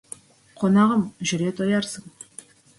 Қонағым, жүре тоярсың.